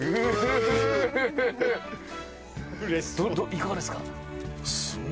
いかがですか？